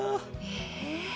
え？